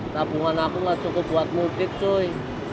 tabungan aku gak cukup buat mutik coy